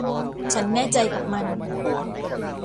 ฉันแน่ใจกับมัน